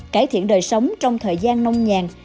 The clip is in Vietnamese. cải thiện đời sống trong thời gian nông nhàng